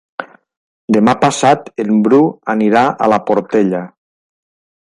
Demà passat en Bru anirà a la Portella.